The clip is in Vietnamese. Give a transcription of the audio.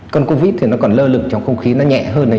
con covid thì nó còn lơ lực trong không khí nó nhẹ hơn